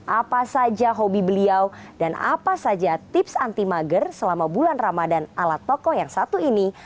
apa saja hobi beliau dan apa saja tips anti mager selama bulan ramadan ala tokoh yang satu ini